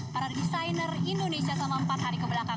para desainer indonesia selama empat hari kebelakang